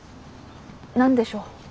何でしょう。